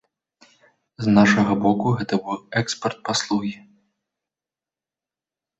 З нашага боку, гэта быў экспарт паслугі.